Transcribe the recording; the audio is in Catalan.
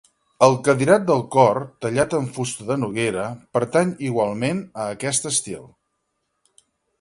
El cadirat del cor, tallat en fusta de noguera, pertany igualment a aquest estil.